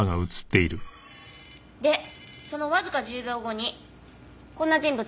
でそのわずか１０秒後にこんな人物が。